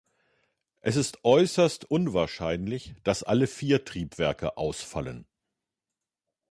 Es ist äußerst unwahrscheinlich, dass alle vier Triebwerke ausfallen.